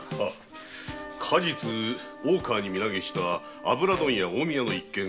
過日大川に身投げした油問屋・近江屋の一件。